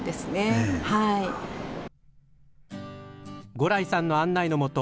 五耒さんの案内のもと